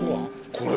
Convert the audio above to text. これ。